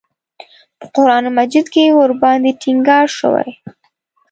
په قران مجید کې ورباندې ټینګار شوی.